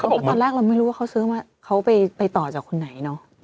แล้วตอนแรกเราไม่รู้ว่าเขาซื้อมาเขาไปต่อจากคนไหนเนอะ